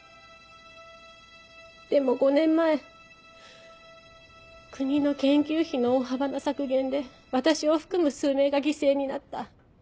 でも５年前国の研究費の大幅な削減で私を含む数名が犠牲になった。